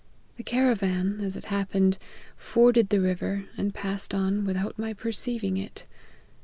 The caravan, as it happened, forded the river, and passed on, without my perceiving it.